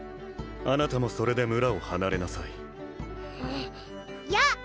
あなたもそれで村を離れなさいやっ！